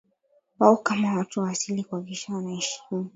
wao kama watu wa asili kuhakikisha wanaheshimu